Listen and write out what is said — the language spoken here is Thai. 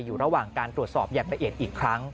อยู่ระหว่างการตรวจสอบอย่างละเอียดอีกครั้ง